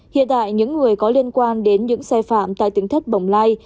hiện tại những người có liên quan đến những sai phạm tại tính thất bồng lai